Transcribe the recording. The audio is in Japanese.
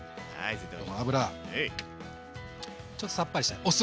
ちょっとさっぱりしたいお酢。